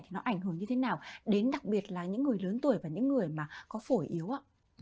thì nó ảnh hưởng như thế nào đến đặc biệt là những người lớn tuổi và những người mà có phổi yếu ạ